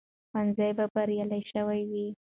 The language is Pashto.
ښوونځي به بریالي شوي وي.